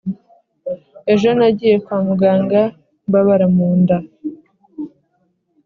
ejo nagiye kwa muganga mbabara mu nda,